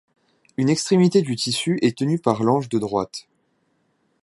Une extrémité du tissu est tenue par l'ange de droite.